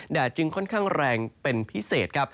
แดดจึงค่อนข้างแรงเป็นพิเศษ